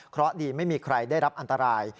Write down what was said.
เพราะดีไม่มีใครได้รับอันตราย